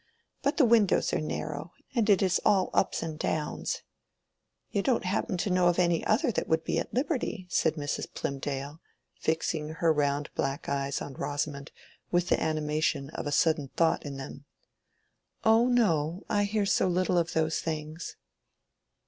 But the windows are narrow, and it is all ups and downs. You don't happen to know of any other that would be at liberty?" said Mrs. Plymdale, fixing her round black eyes on Rosamond with the animation of a sudden thought in them. "Oh no; I hear so little of those things."